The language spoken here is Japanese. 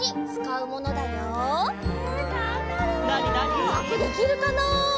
うまくできるかな？